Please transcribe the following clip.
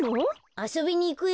あそびにいくよ。